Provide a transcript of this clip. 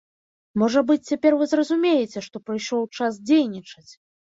Можа быць, цяпер вы зразумееце, што прыйшоў час дзейнічаць!